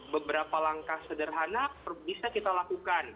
beberapa langkah sederhana bisa kita lakukan